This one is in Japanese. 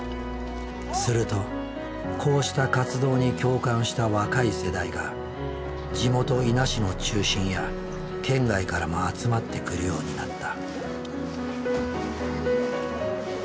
するとこうした活動に共感した若い世代が地元伊那市の中心や県外からも集まってくるようになった。